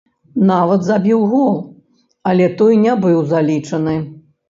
Нават забіў гол, але той не быў залічаны.